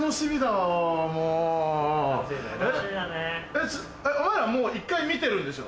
お前らもう１回見てるんでしょ？